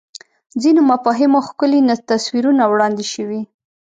ځینو مفاهیمو ښکلي تصویرونه وړاندې شوي